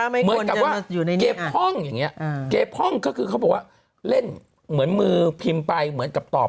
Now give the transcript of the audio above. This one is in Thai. เหมือนกับว่าเก็บห้องอย่างนี้เก็บห้องก็คือเขาบอกว่าเล่นเหมือนมือพิมพ์ไปเหมือนกับตอบ